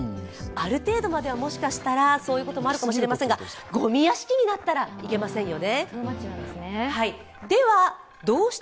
ある程度まではもしかしたら、そういうこともあるかもしれませんが、ごみ屋敷になったらいけませんよね。